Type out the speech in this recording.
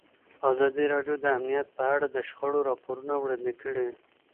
ازادي راډیو د امنیت په اړه د شخړو راپورونه وړاندې کړي.